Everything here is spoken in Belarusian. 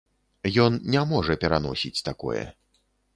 Ён не можа пераносіць такое.